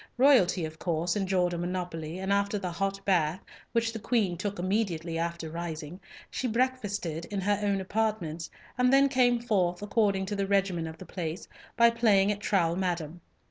Royalty, of course, enjoyed a monopoly, and after the hot bath, which the Queen took immediately after rising, she breakfasted in her own apartments, and then came forth, according to the regimen of the place, by playing at Trowle Madame.